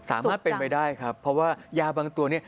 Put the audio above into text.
สามารถเป็นไปได้ครับเพราะว่ายาบางตัวเนี่ย